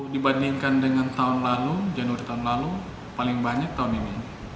dibandingkan dengan tahun lalu januari tahun lalu paling banyak tahun ini